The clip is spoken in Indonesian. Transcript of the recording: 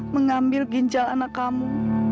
mengambil ginjal anak kamu